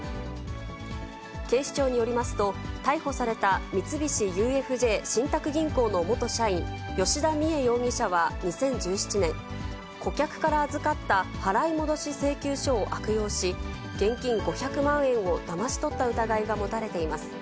警視庁によりますと、逮捕された三菱ＵＦＪ信託銀行の元社員、吉田美江容疑者は２０１７年、顧客から預かった払い戻し請求書を悪用し、現金５００万円をだまし取った疑いが持たれています。